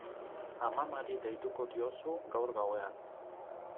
Amamari deituko diozu gaur gauean.